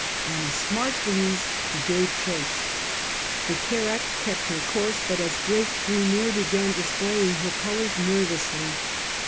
On a smart breeze he gave chase. The carack kept her course, but as Drake drew near began displaying her colours nervously.